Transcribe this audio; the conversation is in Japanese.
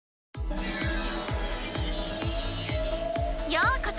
ようこそ！